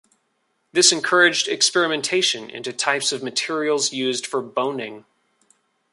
This encouraged experimentation into types of materials used for boning.